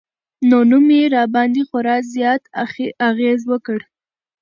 نو نوم يې راباندې خوړا زيات اغېز وکړ